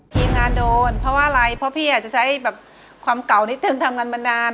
ทีมงานโดนเพราะว่าอะไรเพราะพี่อาจจะใช้แบบความเก่านิดนึงทำงานมานาน